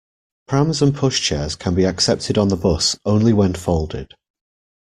Prams and pushchairs can be accepted on the bus only when folded